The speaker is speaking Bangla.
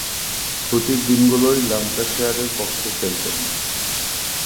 ছুটির দিনগুলোয় ল্যাঙ্কাশায়ারের পক্ষে খেলতেন।